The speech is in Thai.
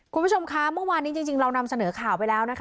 คุณผู้ชมคะเมื่อวานนี้จริงเรานำเสนอข่าวไปแล้วนะคะ